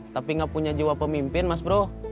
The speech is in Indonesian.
tapi gak punya jiwa pemimpin mas bro